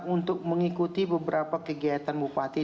untuk mengikuti beberapa kegiatan bupati